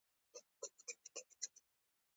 ميرويس خان يې په اشاره پوه کړ چې په ده پسې روان شي.